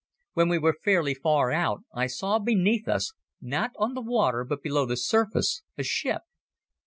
When we were fairly far out I saw beneath us, not on the water but below the surface, a ship.